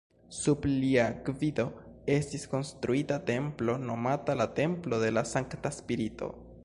Sub lia gvido estis konstruita templo nomata la "Templo de la Sankta Spirito".